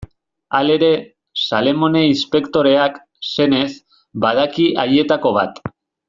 Halere, Salamone inspektoreak, senez, badaki haietako bat.